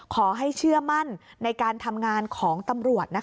ขอให้เชื่อมั่นในการทำงานของตำรวจ